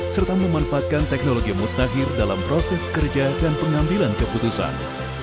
serta memanfaatkan teknologi mutakhir dalam proses kerja dan pengambilan keputusan